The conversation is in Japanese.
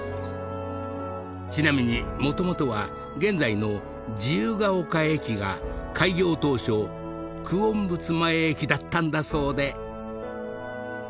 ［ちなみにもともとは現在の自由が丘駅が開業当初九品仏前駅だったんだそうで］